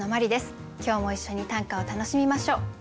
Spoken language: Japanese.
今日も一緒に短歌を楽しみましょう。